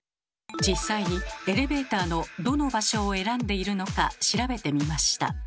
実際にエレベーターのどの場所を選んでいるのか調べてみました。